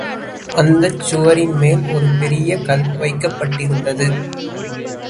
அந்தச் சுவரின் மேல் ஒரு பெரிய கல் வைக்கப்பட்டிருந்தது.